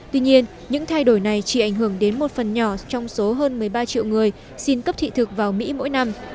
tuy nhiên những thay đổi này chỉ ảnh hưởng đến một phần nhỏ trong số hơn một mươi ba triệu người xin cấp thị thực vào mỹ mỗi năm